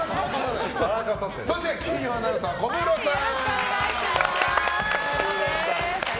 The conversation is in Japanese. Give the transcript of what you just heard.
そして金曜アナウンサーの小室さん。